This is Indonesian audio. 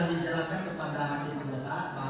mana satu para kakak kakak